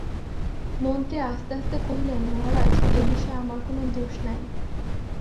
মন্ত্রী আস্তে আস্তে কহিলেন, মহারাজ, এ-বিষয়ে আমার কোনো দোষ নাই।